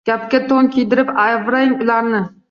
Gapga to’n kiydirib, avrab ularni.